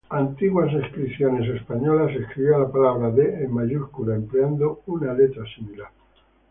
Antiguas inscripciones españolas escribían la palabra "de" en mayúscula empleando una letra similar.